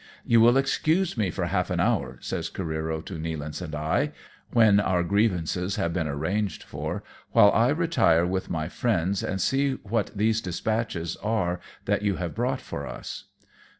" You will excuse me for half an hour," says Careero LAND IN A GALE AT CAREERO'S. 273 to Nealance and I, when our grievances have been arranged for, " while I retire with my friends and see what these despatches are that you have brought for us."